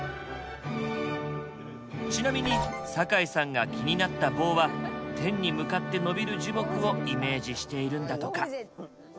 ちなみに酒井さんが気になった棒は天に向かって伸びる樹木をイメージしているんだとか。